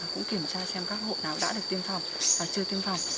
cũng kiểm tra xem các hộ nào đã được tiêm phòng và chưa tiêm phòng